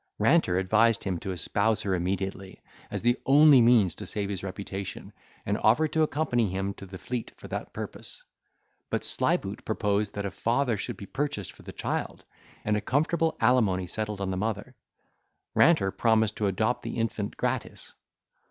Ranter advised him to espouse her immediately, as the only means to save his reputation, and offered to accompany him to the Fleet for that purpose; but Slyboot proposed that a father should be purchased for the child, and a comfortable alimony settled on the mother. Ranter promised to adopt the infant gratis.